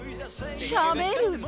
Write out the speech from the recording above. しゃべる！